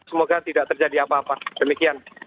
semoga tidak terjadi apa apa demikian